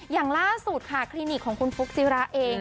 อย่างล่าสุดค่ะคลินิกของคุณฟุ๊กจิระเอง